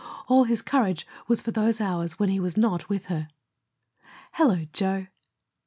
All his courage was for those hours when he was not with her. "Hello, Joe."